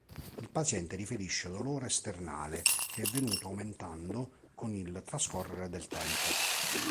Il paziente riferisce dolore sternale che è venuto aumentando con il trascorrere del tempo.